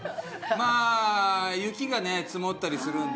まあ雪がね積もったりするんで地元は。